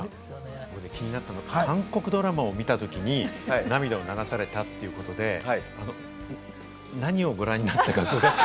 気になったのが韓国ドラマを見たときに涙を流されたということで、何をご覧になってるのかなと。